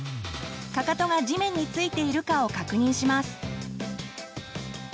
かかとが地面に着いているかを確認します。